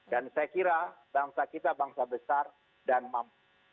dan saya kira bangsa kita bangsa besar dan mampu